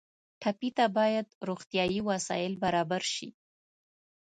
ټپي ته باید روغتیایي وسایل برابر شي.